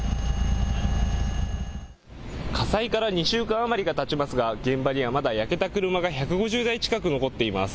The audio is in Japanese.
火災から２週間余りがたちますが現場にはまだ焼けた車が１５０台近く残っています。